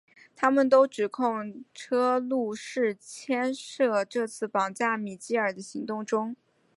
他们都指控车路士牵涉这次绑架米基尔的行动中。